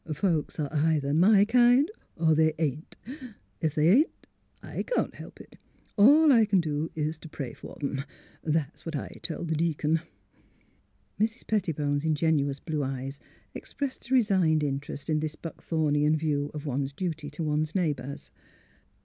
Folks are either my kind; or else they ain't. Ef they ain't; I can't help it. All I c'n do is t' pray for 'em. That's what I tell the deacon." Mrs. Pettibone's ingenuous blue eyes expressed a resigned interest in this Buckthornian view of one's duty to one's neighbours.